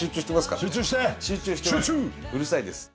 うるさいです。